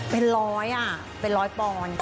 เป็นร้อยเป็นร้อยปอน